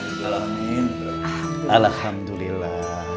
semoga kita bisa menjalankan ibadah puasa